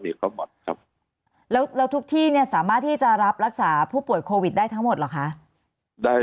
แล้วทุกที่สามารถที่จะรับรักษาผู้ป่วยโควิดได้ทั้งหมดหรือคะ